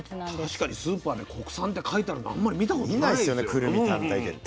確かにスーパーで国産って書いてあるのあんまり見たことないですよ。